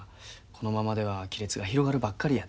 このままでは亀裂が広がるばっかりやて。